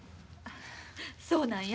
そうなんや。